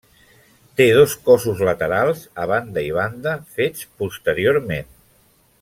Té dos cossos laterals a banda i banda fets posteriorment.